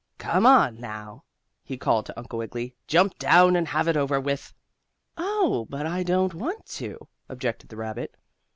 "Come on now!" he called to Uncle Wiggily. "Jump down and have it over with." "Oh, but I don't want to," objected the rabbit.